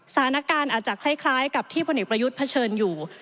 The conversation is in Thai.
สถานการณ์อาจจะคล้ายกับที่พลเอกประยุทธ์เผชิญอยู่